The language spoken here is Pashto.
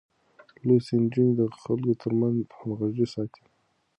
لوستې نجونې د خلکو ترمنځ همغږي ساتي.